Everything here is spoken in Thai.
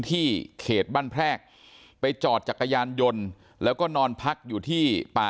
เขตบ้านแพรกไปจอดจักรยานยนต์แล้วก็นอนพักอยู่ที่ป่า